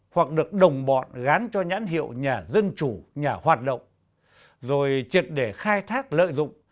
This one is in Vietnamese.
hoặc được đồng bọn gán cho nhãn hiệu nhà dân chủ nhà hoạt động rồi triệt để khai thác lợi dụng